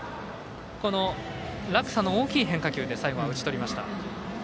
落差の大きい変化球で最後は打ち取りました。